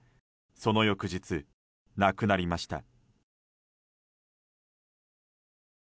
その翌日、亡くなりました。